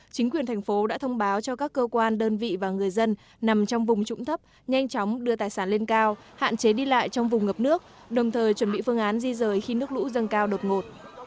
chính quyền thành phố đã thông báo cho các cơ quan đơn vị và người dân nằm trong vùng trũng thấp nhanh chóng đưa tài sản lên cao hạn chế đi lại trong vùng ngập nước đồng thời chuẩn bị phương án di rời khi nước lũ dâng cao đột ngột